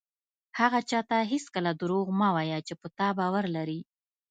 هغه چاته هېڅکله دروغ مه وایه چې په تا باور لري.